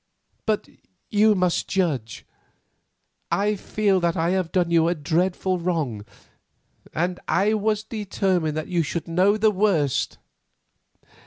But you must judge. I feel that I have done you a dreadful wrong, and I was determined that you should know the worst."